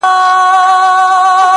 مُغان زخمي دی مطرب ناښاده -